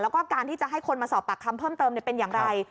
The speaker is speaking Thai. แล้วก็การที่จะให้คนมาสอบปากคำเพิ่มเติมเป็นอย่างไร